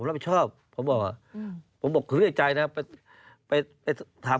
ผมรับผิดชอบผมบอกอ่ะอืมผมบอกคือในใจนะครับไปไปถาม